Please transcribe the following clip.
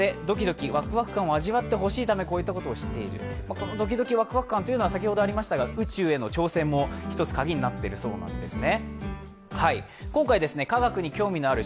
このドキドキ、ワクワク感というのは宇宙への挑戦もひとつ鍵になっているそうなんですね。